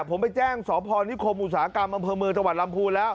ผมไปแจ้งสพนิคมอุตสาหกรรมอำเภอเมืองจังหวัดลำพูนแล้ว